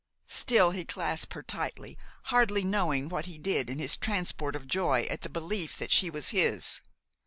Still he clasped her tightly, hardly knowing what he did in his transport of joy at the belief that she was his.